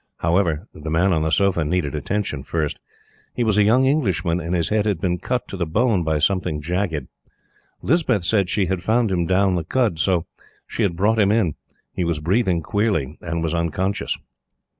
However, the man on the sofa needed attention first. He was a young Englishman, and his head had been cut to the bone by something jagged. Lispeth said she had found him down the khud, so she had brought him in. He was breathing queerly and was unconscious.